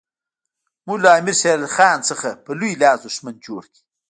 موږ له امیر شېر علي خان څخه په لوی لاس دښمن جوړ کړ.